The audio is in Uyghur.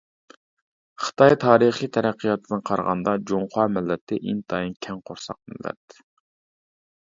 خىتاي تارىخى تەرەققىياتىدىن قارىغاندا، جۇڭخۇا مىللىتى ئىنتايىن كەڭ قورساق مىللەت .